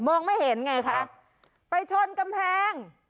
ไม่เห็นไงคะไปชนกำแพง